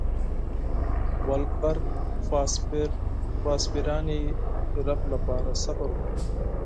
ولربک فاصبر يانې رب لپاره صبر وکړه.